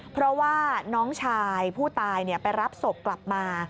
เพราะว่าน้องชายผู้ตายไปรับศพกลับมา